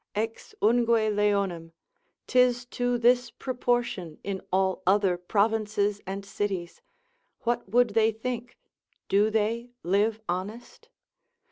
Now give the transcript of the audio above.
ex ungue leonem, 'tis to this proportion, in all other provinces and cities, what would they think, do they live honest?